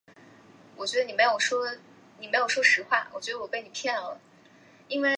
三泽上町车站的铁路车站。